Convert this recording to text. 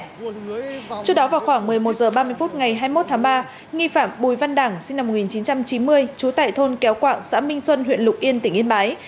trước đó vào khoảng một mươi một h ba mươi phút ngày hai mươi một tháng ba nghi phạm bùi văn đảng sinh năm một nghìn chín trăm chín mươi trú tại thôn kéo quạng xã minh xuân huyện lục yên tỉnh yên bái